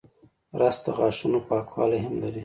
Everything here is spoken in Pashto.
رس د غاښونو پاکوالی هم لري